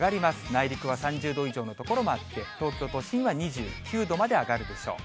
内陸は３０度以上の所もあって、東京都心は２９度まで上がるでしょう。